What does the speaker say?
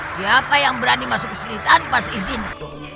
siapa yang berani masuk ke sini tanpa seizin